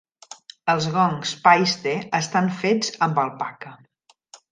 Els gongs Paiste estan fets amb alpaca.